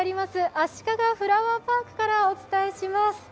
あしかがフラワーパークからお伝えします。